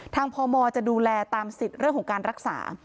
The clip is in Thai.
พมจะดูแลตามสิทธิ์เรื่องของการรักษา